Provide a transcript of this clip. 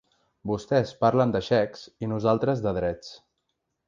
Vostès parlen de xecs i nosaltres de drets.